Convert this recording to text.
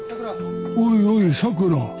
おいおいさくら！